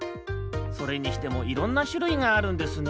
それにしてもいろんなしゅるいがあるんですね。